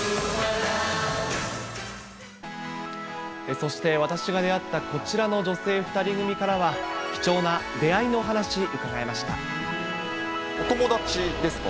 そして私が出会ったこちらの女性２人組からは、貴重な出会いのお話、お友達ですか？